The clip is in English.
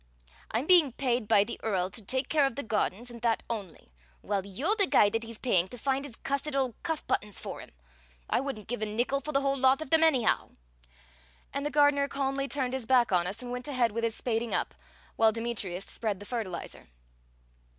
I'm being paid by the Earl to take care of the gardens, and that only; while you're the guy that he's paying to find his cussed old cuff buttons for him. I wouldn't give a nickel for the whole lot of them, anyhow!" And the gardener calmly turned his back on us, and went ahead with his spading up, while Demetrius spread the fertilizer.